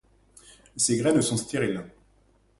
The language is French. Ses graines sont stériles.